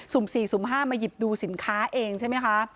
สุ่มสี่สุ่มห้ามมาหยิบดูสินค้าเองใช่ไหมคะ